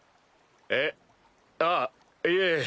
えっあいえ。